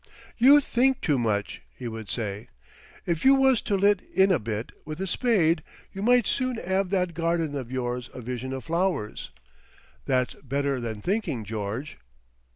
"You think too much," he would say. "If you was to let in a bit with a spade, you might soon 'ave that garden of yours a Vision of Flowers. That's better than thinking, George."